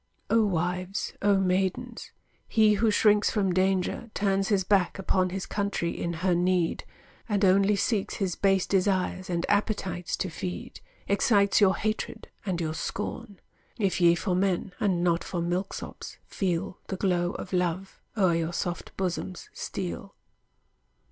O wives, O maidens, he Who shrinks from danger, turns his back upon His country in her need, and only seeks His base desires and appetites to feed, Excites your hatred and your scorn; If ye for men, and not for milk sops, feel The glow of love o'er your soft bosoms steal.